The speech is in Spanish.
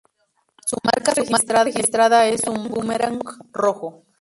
Su marca registrada es un boomerang rojo.